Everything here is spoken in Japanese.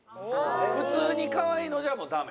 普通にかわいいのじゃもうダメ。